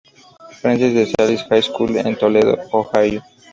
Francis de Sales High School en Toledo, Ohio.